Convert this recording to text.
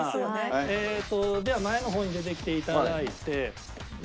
えっとでは前の方に出てきていただいて。